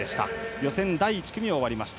予選第１組、終わりました。